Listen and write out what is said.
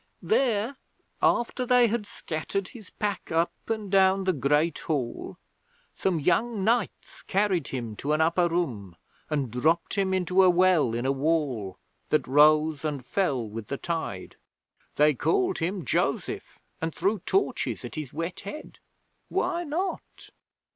'There, after they had scattered his pack up and down the Great Hall, some young knights carried him to an upper room, and dropped him into a well in a wall, that rose and fell with the tide. They called him Joseph, and threw torches at his wet head. Why not?'